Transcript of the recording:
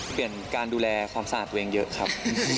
การดูแลความสะอาดตัวเองเยอะครับ